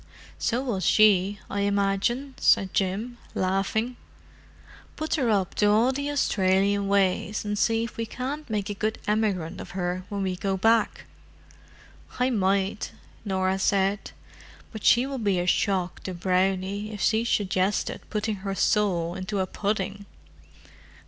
"So will she, I imagine," said Jim, laughing. "Put her up to all the Australian ways, and see if we can't make a good emigrant of her when we go back." "I might," Norah said. "But she would be a shock to Brownie if she suggested putting her soul into a pudding!"